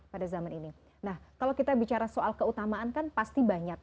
pada zaman ini nah kalau kita bicara soal keutamaan kan pasti banyak